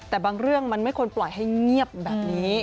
แต่บางเรื่องมันไม่ควรปล่อยให้เงียบแบบนี้